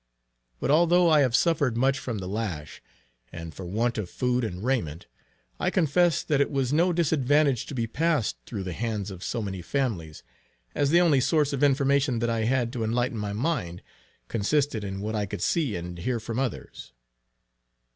But although I have suffered much from the lash, and for want of food and raiment; I confess that it was no disadvantage to be passed through the hands of so many families, as the only source of information that I had to enlighten my mind, consisted in what I could see and hear from others.